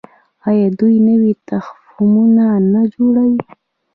آیا دوی نوي تخمونه نه جوړوي؟